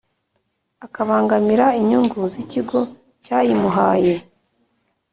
Akabangamira inyungu z ikigo cyayimuhaye